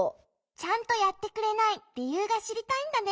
ちゃんとやってくれない理由がしりたいんだね？